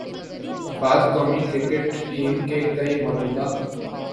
بعد قومی cricket team کے کئی موجودہ